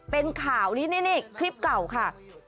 เป็นข่าวนี่คลิปเก่าค่ะ